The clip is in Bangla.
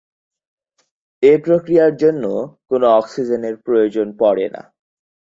কিন্তু ফকার কৌশলে শাস্তি এড়িয়ে যান।